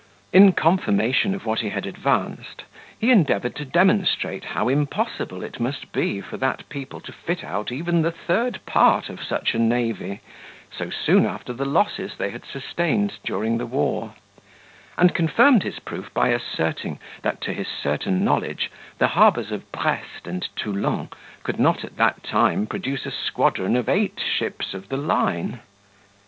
In confirmation of what he had advanced, he endeavoured to demonstrate how impossible it must be for that people to fit out even the third part of such a navy, so soon after the losses they had sustained during the war; and confirmed his proof by asserting, that to his certain knowledge, the harbours of Brest and Toulon could not at that time produce a squadron of eight ships of the line.